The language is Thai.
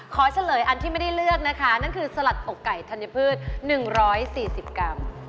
เฉลยอันที่ไม่ได้เลือกนะคะนั่นคือสลัดอกไก่ธัญพืช๑๔๐กรัม